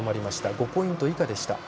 ５ポイント以下でした。